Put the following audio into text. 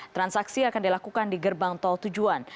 transaksi akan dilakukan di gerbang tol tujuan